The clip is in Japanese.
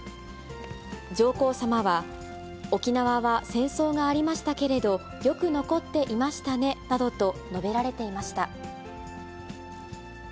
上皇さまは、沖縄は戦争がありましたけれど、よく残っていましたねなどと述べられていました。